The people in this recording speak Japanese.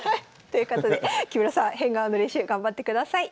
ということで木村さん変顔の練習頑張ってください。